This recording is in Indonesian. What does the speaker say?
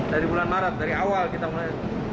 dari bulan maret dari awal kita mulai